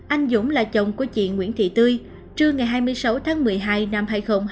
anh dũng là chồng của chị nguyễn thị tươi trưa ngày hai mươi sáu tháng một mươi hai năm hai nghìn hai mươi